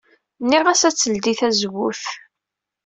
Nniɣ-as ad teldey tazewwut.